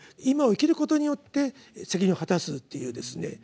「今を生きる」ことによって責任を果たすという。